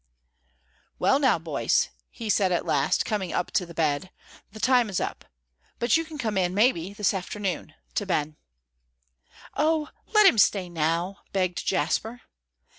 "Well, now, boys," he said at last, coming up to the bed, "time is up. But you can come in, maybe, this afternoon," to Ben. "Oh, let him stay now!" begged Jasper.